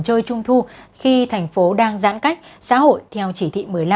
chơi trung thu khi thành phố đang giãn cách xã hội theo chỉ thị một mươi năm